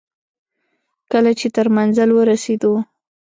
کله چې تر منزل ورسېدو.